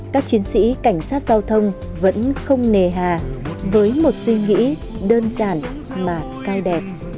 các chiến sĩ cảnh sát giao thông vẫn không nề hà với một suy nghĩ đơn giản mà cao đẹp